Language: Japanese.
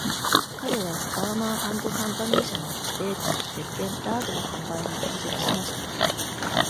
彼は、アーマー・アンド・カンパニー社のベーコン、石けん、ラードの販売に転職しました。